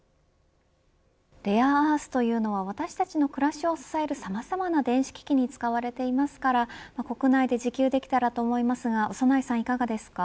レアアースというのは私たちの暮らしを支えるさまざまな電子機器に使われていますから国内で自給できたらと思いますが長内さん、いかがですか。